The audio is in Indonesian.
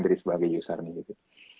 diri sebagai user gitu